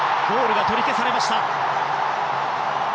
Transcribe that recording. ゴールが取り消されました。